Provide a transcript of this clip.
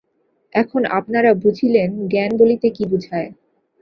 এখন আপনারা বুঝিলেন, জ্ঞান বলিতে কি বুঝায়।